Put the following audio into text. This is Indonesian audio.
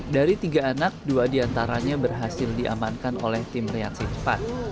dari tiga anak dua diantaranya berhasil diamankan oleh tim reaksi cepat